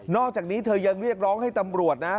อกจากนี้เธอยังเรียกร้องให้ตำรวจนะ